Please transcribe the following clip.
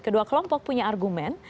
kedua kelompok punya argumen